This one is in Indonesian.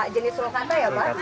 jenis sulcata ya pak